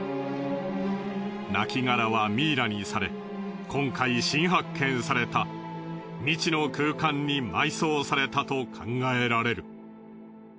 亡骸はミイラにされ今回新発見された未知の空間に埋葬されたと考えられる。